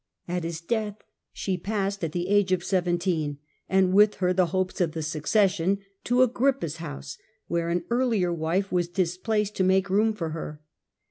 At his death she passed, at the age of seventeen, and with her the hopes of the succession, to Agrippa's riages, house, where an earlier wife was displaced to make room for her.